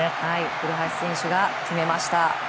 古橋選手が決めました。